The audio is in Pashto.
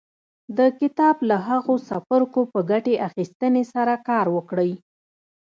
د کتاب له هغو څپرکو په ګټې اخيستنې سره کار وکړئ.